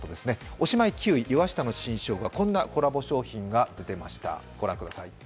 おしまいは９位、岩下の新生姜、こんなコラボ商品が出ました。